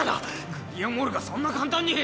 グリアモールがそんな簡単に。